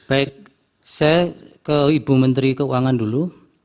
baik saya ke ibu menteri keuangan dulu